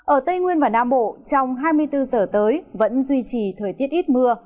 ở tây nguyên và nam bộ trong hai mươi bốn giờ tới vẫn duy trì thời tiết ít mưa